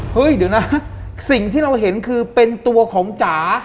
เฮ้ยเดี๋ยวนะสิ่งที่เราเห็นคือเป็นตัวของจ๋า